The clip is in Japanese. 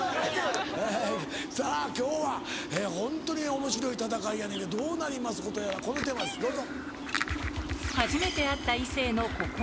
さぁ今日はホントにおもしろい戦いやねんけどどうなりますことやらこのテーマですどうぞ。